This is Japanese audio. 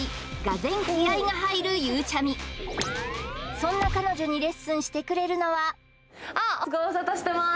そんな彼女にレッスンしてくれるのはあっご無沙汰してます